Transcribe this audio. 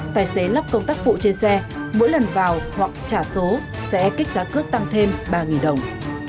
tài xế lắp công tác phụ trên xe mỗi lần vào hoặc trả số sẽ kích giá cước tăng thêm ba đồng